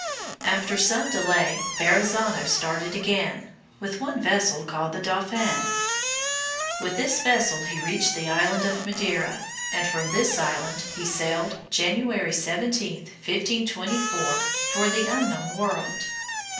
After some delay Verrazzano started again, with one vessel called the Dauphine. With this vessel he reached the island of Madeira, and from this island he sailed, January 17, 1524, for the unknown world.